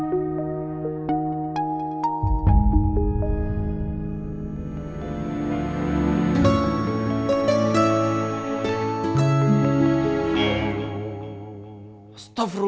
hanya ada satu